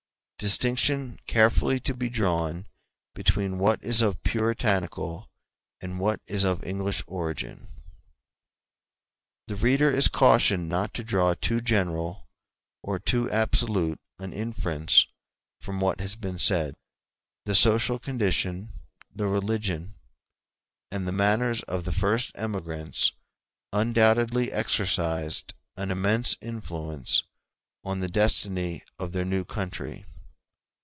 —Distinction carefully to be drawn between what is of Puritanical and what is of English origin. The reader is cautioned not to draw too general or too absolute an inference from what has been said. The social condition, the religion, and the manners of the first emigrants undoubtedly exercised an immense influence on the destiny of their new country.